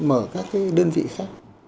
mở các đơn vị khác